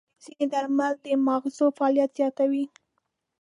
ځینې درمل د ماغزو فعالیت زیاتوي.